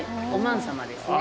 お万様ですね。